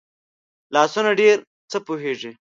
لاسونه ډېر څه پوهېږي